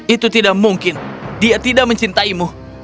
itu tidak mungkin dia tidak mencintaimu